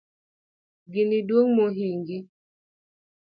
Gini duong mohingi